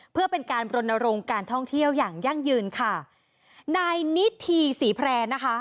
เพื่อเป็นการรณรงค์การท่องเที่ยวอย่างยั่งยืนค่ะนายนิธีศรีแพร่นะคะ